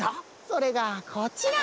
それがこちら！